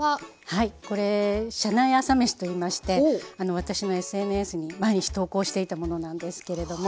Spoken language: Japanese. はいこれ車内朝飯といいまして私のＳＮＳに毎日投稿していたものなんですけれども。